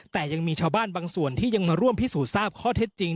แต่ยังมีชาวบ้านบางส่วนที่ยังมาร่วมพิสูจน์ทราบข้อเท็จจริง